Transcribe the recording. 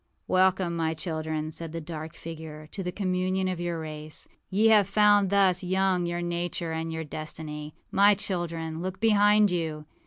âWelcome, my children,â said the dark figure, âto the communion of your race. Ye have found thus young your nature and your destiny. My children, look behind you!